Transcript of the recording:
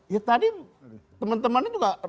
ya tadi teman teman itu gak ada ragu